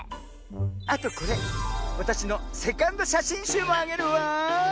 あとこれわたしのセカンドしゃしんしゅうもあげるわ。